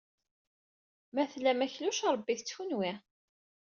Ma tlam akluc, ṛebbit-t kenwi.